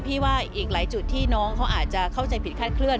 ว่าอีกหลายจุดที่น้องเขาอาจจะเข้าใจผิดคาดเคลื